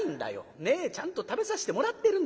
ねえちゃんと食べさせてもらってるんだからさ